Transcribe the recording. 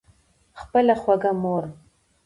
خپله خوږه مور